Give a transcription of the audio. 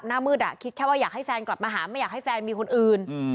หน้ามืดคิดแค่ว่าอยากให้แฟนกลับมาหาไม่อยากให้แฟนมีคนอื่น